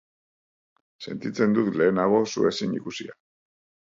Sentitzen dut lehenago zu ezin ikusia.